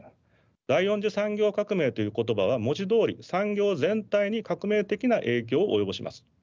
第４次産業革命という言葉は文字どおり産業全体に革命的な影響を及ぼします。